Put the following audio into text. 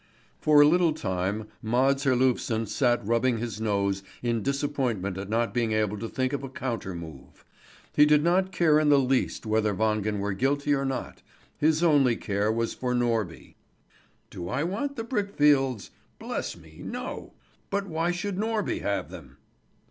For a little time Mads Herlufsen sat rubbing his nose in disappointment at not being able to think of a counter move. He did not care in the least whether Wangen were guilty or not; his only care was for Norby. "Do I want the brickfields? Bless me, no! But why should Norby have them?"